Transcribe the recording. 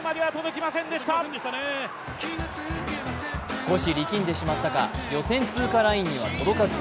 少し力んでしまったか、予選通過ラインには届かず。